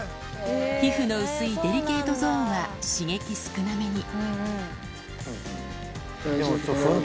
皮膚の薄いデリケートゾーンは刺激少なめに。